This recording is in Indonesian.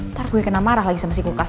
ntar gue kena marah lagi sama si kulkas